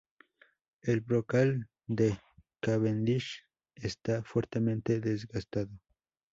El brocal de Cavendish está fuertemente desgastado.